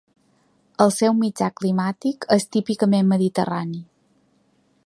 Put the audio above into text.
El seu mitjà climàtic és típicament mediterrani.